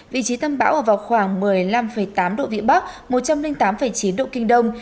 vị trí tâm bão ở vào khoảng một mươi năm tám độ vĩ bắc một trăm linh tám chín độ kinh đông